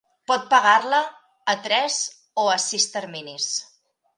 Pot pagar-la a tres o a sis terminis.